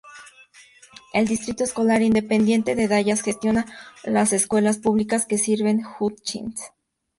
El Distrito Escolar Independiente de Dallas gestiona las escuelas públicas que sirven a Hutchins.